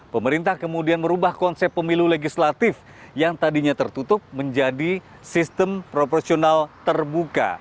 pemerintah kemudian merubah konsep pemilu legislatif yang tadinya tertutup menjadi sistem proporsional terbuka